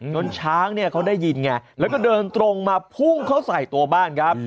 ช้างเนี่ยเขาได้ยินไงแล้วก็เดินตรงมาพุ่งเขาใส่ตัวบ้านครับ